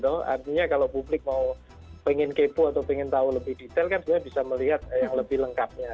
artinya kalau publik mau pengen kepo atau pengen tahu lebih detail kan sebenarnya bisa melihat yang lebih lengkapnya